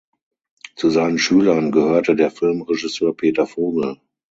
Zu seinen Schülern gehörte der Filmregisseur Peter Vogel.